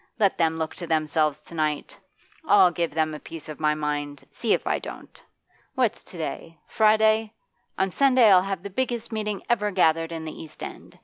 Let them look to themselves to night! I'll give them a piece of my mind see if I don't! What's to day? Friday. On Sunday I'll have the biggest meeting ever gathered in the East End.